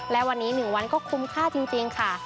และวันนี้๑วันก็คุ้มค่าจริงค่ะ